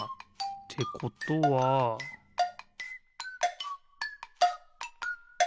ってことはピッ！